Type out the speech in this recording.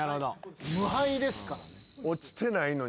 無敗ですからね。